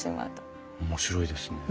面白いですね。